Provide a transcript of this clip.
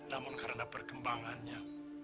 namun karena perkembangannya